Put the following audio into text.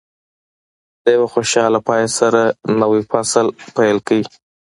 د یوه خوشاله پای سره نوی فصل پیل کړئ.